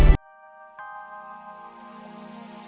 aku sudah tahu